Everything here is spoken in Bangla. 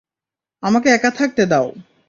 আমাকে একা থাকতে দাও!